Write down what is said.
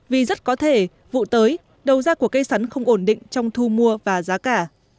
vì rất có thể vụ tới đầu ra của cây sắn không ổn định trong thu mua và giá cả